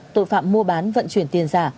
tội phạm mua bán vận chuyển tiền giả